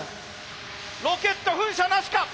ロケット噴射なしか！